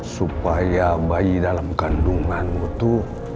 supaya bayi dalam kandunganmu itu